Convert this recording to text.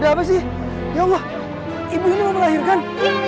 ada apa sih ya allah ibu ini mau melahirkan